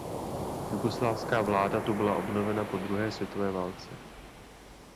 Jugoslávská vláda tu byla obnovena po druhé světové válce.